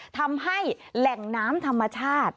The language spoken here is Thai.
ทำให้แหล่งน้ำธรรมชาติ